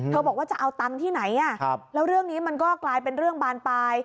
บอกว่าจะเอาตังค์ที่ไหนแล้วเรื่องนี้มันก็กลายเป็นเรื่องบานปลาย